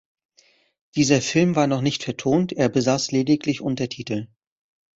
Dieser Film war noch nicht vertont, er besaß lediglich Untertitel.